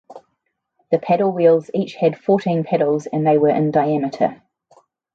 The paddle wheels each had fourteen paddles and they were in diameter.